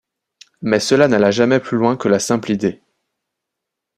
Mais cela n'alla jamais plus loin que la simple idée...